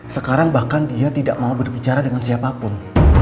sekarang bahkan dia tidak mau berbicara dengan siapapun